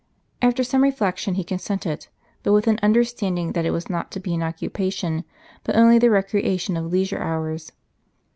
After some reflection, he consented ; but with an understanding, that it was not to be an occupation, but only the recreation of leisure hours.